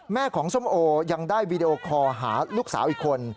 แม่ของส้มโอยังได้วีดีโอคอลหาลูกสาวอีกคน